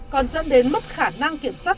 còn dẫn đến mất khả năng kiểm soát